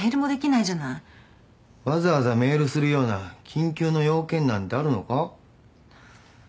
わざわざメールするような緊急の用件なんてあるのか？